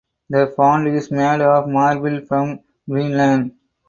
The font is made of marble from Greenland.